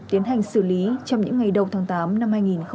tiến hành xử lý trong những ngày đầu tháng tám năm hai nghìn hai mươi